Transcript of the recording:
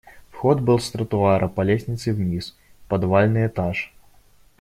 Вход был с тротуара по лестнице вниз, в подвальный этаж.